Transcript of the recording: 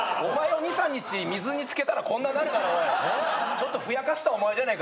ちょっとふやかしたお前じゃねえかよ。